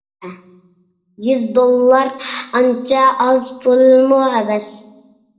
يۈز دوللار ئانچە ئاز پۇلمۇ ئەمەس!